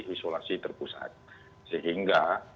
isolasi terpusat sehingga